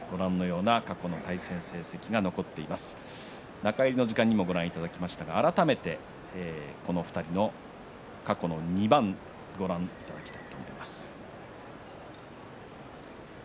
中入りの時間にもご覧いただきましたが改めてこの２人の過去の２番ご覧ください。